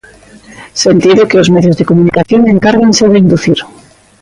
Sentido que os medios de comunicación encárganse de inducir.